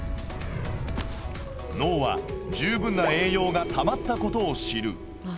脳は十分な栄養がたまったことを知る。